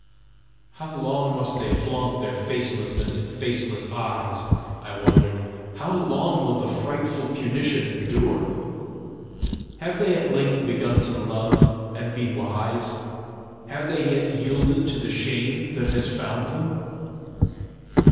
"How long must they flaunt their facelessness in faceless eyes?" I wondered. "How long will the frightful punition endure? Have they at length begun to love and be wise? Have they yet yielded to the shame that has found them?"